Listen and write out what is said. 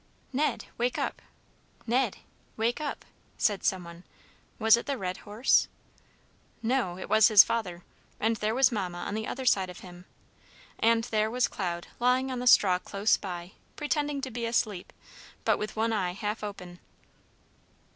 "Ned! wake up! Ned! wake up!" said some one. Was it the red horse? No, it was his father. And there was Mamma on the other side of him. And there was Cloud lying on the straw close by, pretending to be asleep, but with one eye half open!